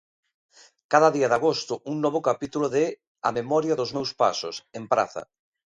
Cada día de agosto, un novo capítulo de "A memoria dos meus pasos", en Praza.